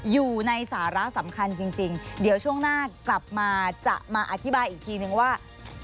อยู่ในสาระสำคัญจริงเดี๋ยวช่วงหน้ากลับมาจะมาอธิบายอีกทีนึงว่า